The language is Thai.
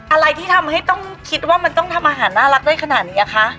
อะไรที่ทำให้ต้องคิดว่ามันต้องทำอาหารน่ารักได้ขนาดนี้คะ